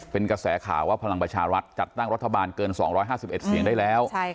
เป็นกระแสข่าวว่าพลังประชารัฐจัดตั้งรัฐบาลเกิน๒๕๑เสียงได้แล้ว